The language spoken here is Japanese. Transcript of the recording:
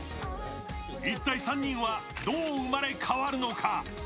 一体、３人はどう生まれ変わるのか？